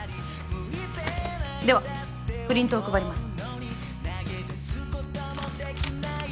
ではプリントを配ります